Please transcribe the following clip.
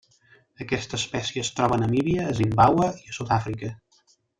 Aquesta espècie es troba a Namíbia, a Zimbàbue i a Sud-àfrica.